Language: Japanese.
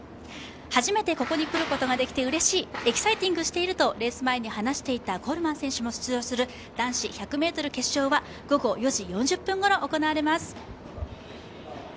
初めてここに来ることができてうれしい、エキサイティングしているとレース前に話していたコールマン選手も出場する男子１００ｍ決勝は午後４時４０分ごろ行われます。